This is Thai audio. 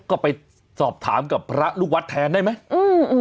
ก็ไปสอบถามกับพระลูกวัดแทนได้ไหมอืม